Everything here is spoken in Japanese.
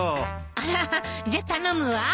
あらじゃ頼むわ。